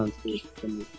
bolehkah kamu tradisi